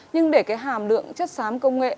nhưng để cái hàm lượng chất xám công nghệ